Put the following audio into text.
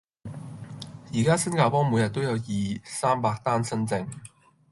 而家新加坡每日都有二、三百單新症